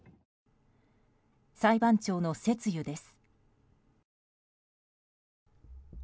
裁判長の説諭です。